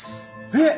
えっ！